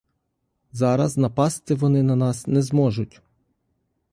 Зараз напасти вони на нас не зможуть.